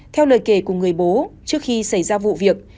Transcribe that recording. theo lời kể của người bố trước khi xảy ra vụ việc